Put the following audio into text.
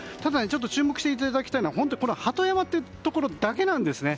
注目していただきたいのは鳩山というところだけなんですね。